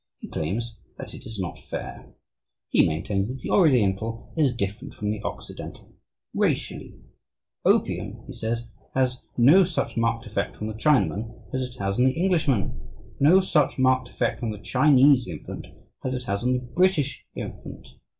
He claims that it is not fair. He maintains that the Oriental is different from the Occidental racially. Opium, he says, has no such marked effect on the Chinaman as it has on the Englishman, no such marked effect on the Chinese infant as it has on the British infant.